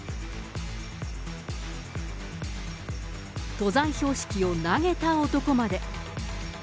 登山標識を投げた男まで。